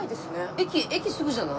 駅駅すぐじゃない？